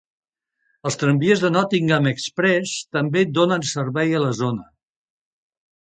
Els tramvies de Nottingham Express també donen servei a la zona.